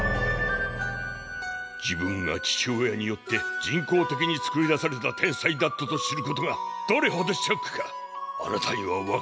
自分が父親によって人工的に作り出された天才だったと知ることがどれほどショックかあなたには分かるまい。